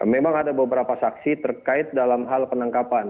memang ada beberapa saksi terkait dalam hal penangkapan